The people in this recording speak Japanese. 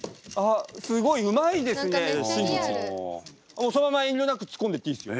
あっそのまま遠慮なく突っ込んでっていいですよ。